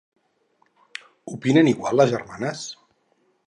Opinen igual les germanes?